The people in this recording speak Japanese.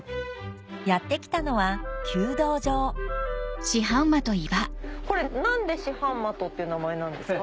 やって来たのは弓道場これ何で四半的っていう名前なんですか？